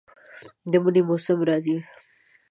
د منی موسم راځي